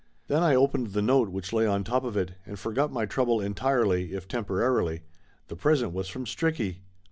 Then I opened the note which lay on top of it, and forgot my trouble entirely if temporarily. The present was from Stricky.